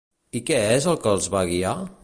I què és el que els va guiar?